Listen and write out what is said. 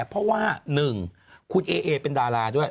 เพราะว่า๑คุณเอเอเป็นดาราด้วย